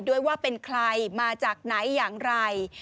ด้วยว่าเป็นใครมาจากไหนอย่างไร